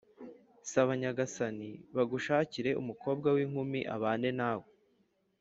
Saba nyagasani bagushakire umukobwa w’inkumi abane nawe